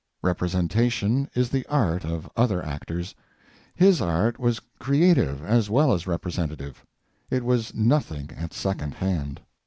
Representation is the art of other actors; his art was creative as well as representative; it was nothing at second hand.